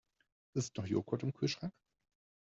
Ist noch Joghurt im Kühlschrank?